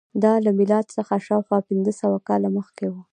دا له میلاد څخه شاوخوا پنځه سوه کاله مخکې وه